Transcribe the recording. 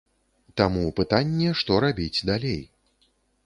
Таму пытанне, што рабіць далей.